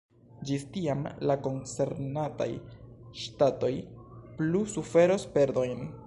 Ĝis tiam la koncernataj ŝtatoj plu suferos perdojn.